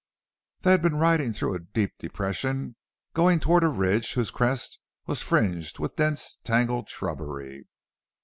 They had been riding through a deep depression, going toward a ridge whose crest was fringed with dense, tangled shrubbery.